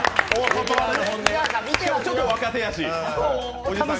ちょっと若手やし。